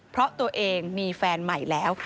เพราะตัวเองมีแฟนใหม่แล้ว